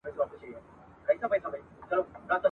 یوه ورځ به د ښکاري چړې ته لویږي !.